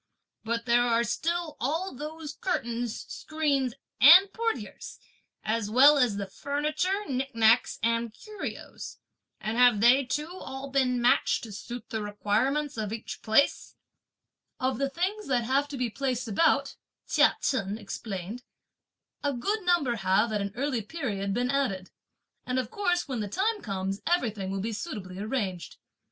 But there are still all those curtains, screens and portieres, as well as the furniture, nicknacks and curios; and have they too all been matched to suit the requirements of each place?" "Of the things that have to be placed about," Chia Chen explained, a good number have, at an early period, been added, and of course when the time comes everything will be suitably arranged.